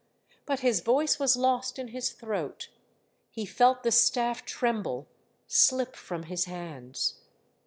" but his voice was lost in his throat. He felt the staff tremble, slip from his hands.